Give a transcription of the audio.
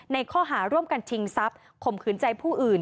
ข้อหาร่วมกันชิงทรัพย์ข่มขืนใจผู้อื่น